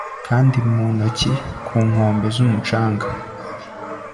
kandi mu ntoki, ku nkombe z'umucanga